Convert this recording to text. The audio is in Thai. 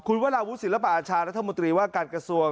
คุณวราวุศิลปะอาชารัฐมนตรีว่าการกระทรวง